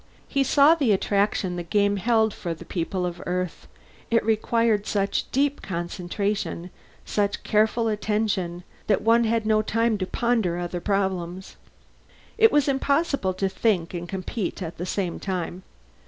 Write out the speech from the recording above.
He saw the attraction the game held for the people of Earth: it required such deep concentration, such careful attention, that one had no time to ponder other problems. It was impossible to think and compete at the same time.